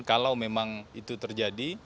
kalau memang itu terjadi